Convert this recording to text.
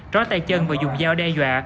ró tay chân và dùng dao đe dọa